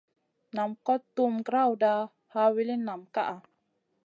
Nam kot tuhm grawda, ha wilin nam ka.